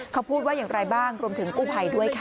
เขาพูดว่าอย่างไรบ้างรวมถึงกู้ภัยด้วยค่ะ